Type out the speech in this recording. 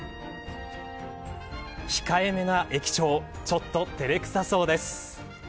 控えめな駅長ちょっと照れくさそうです。